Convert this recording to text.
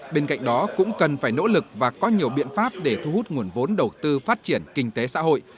bên cạnh đó cũng cần phải nỗ lực và có nhiều biện pháp để thu hút nguồn vốn đầu tư phát triển kinh tế xã hội